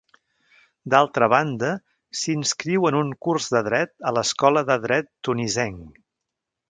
D'altra banda, s'inscriu en un curs de dret a l'Escola de Dret Tunisenc.